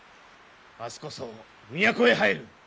明日こそ都へ入る！